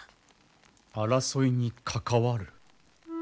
争いに関わる？